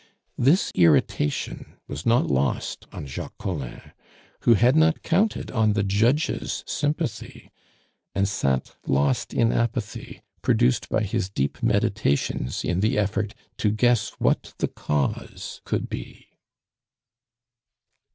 This irritation was not lost on Jacques Collin, who had not counted on the judge's sympathy, and sat lost in apathy, produced by his deep meditations in the effort to guess what the cause could be.